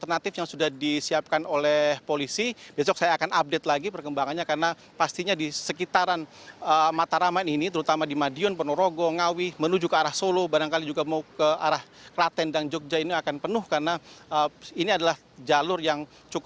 nah berapa rekayasan tentunya sudah dilakukan